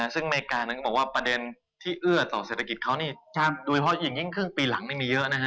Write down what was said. ซึ่งอเมริกานั้นก็บอกว่าประเด็นที่เอื้อต่อเศรษฐกิจเขานี่โดยเฉพาะอย่างยิ่งครึ่งปีหลังนี่มีเยอะนะฮะ